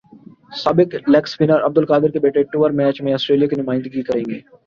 سابق leg spinner Abdul Qadir کے بیٹے ٹورمیچ میں اسٹریلیا کی نمائندگی کریں گے